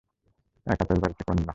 এক আতসবাজি থেকে অন্য।